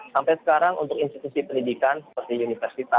sampai sekarang untuk institusi pendidikan seperti universitas